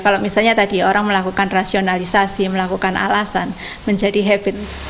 kalau misalnya tadi orang melakukan rasionalisasi melakukan alasan menjadi habit